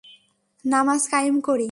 নামায কায়েম করি।